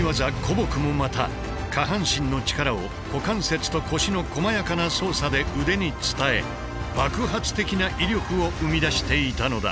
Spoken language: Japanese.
撲もまた下半身の力を股関節と腰のこまやかな操作で腕に伝え爆発的な威力を生み出していたのだ。